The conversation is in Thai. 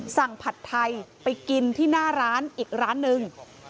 ผัดไทยไปกินที่หน้าร้านอีกร้านหนึ่ง